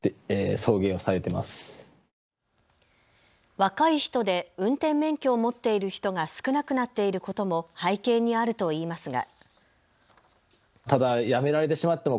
若い人で運転免許を持っている人が少なくなっていることも背景にあるといいますが。